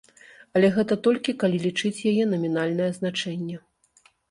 Але гэта толькі калі лічыць яе намінальнае значэнне.